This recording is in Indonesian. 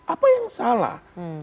apa yang salah